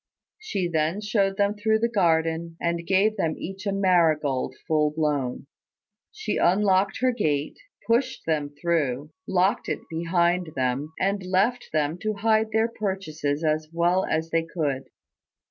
She then showed them through the garden, and gave them each a marigold full blown. She unlocked her gate, pushed them through, locked it behind them, and left them to hide their purchases as well as they could.